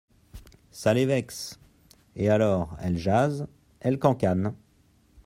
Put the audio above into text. Ca les vexe… et alors, elles jasent… elles cancanent…